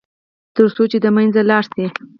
تر څو چې د منځه لاړ شي.